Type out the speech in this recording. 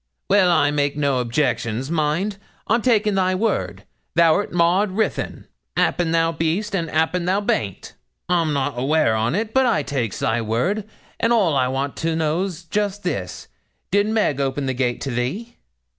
'Well, I make no objections, mind. I'm takin' thy word thou'rt Maud Ruthyn 'appen thou be'st and 'appen thou baint. I'm not aweer on't, but I takes thy word, and all I want to know's just this, did Meg open the gate to thee?'